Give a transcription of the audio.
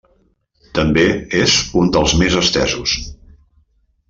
També és un dels més estesos.